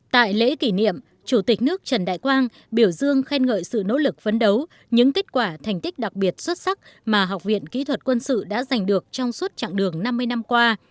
tại lễ kỷ niệm chủ tịch nước trần đại quang biểu dương khen ngợi sự nỗ lực phấn đấu những kết quả thành tích đặc biệt xuất sắc mà học viện kỹ thuật quân sự đã giành được trong suốt chặng đường năm mươi năm qua